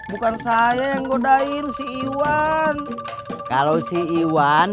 bukan saya yang godain si iwan kalau si iwan